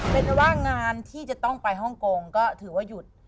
เป็นว่างานที่จะต้องไปฮ่องกงก็ถือว่าหยุด